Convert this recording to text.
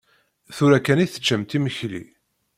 Tura kan i teččamt imekli.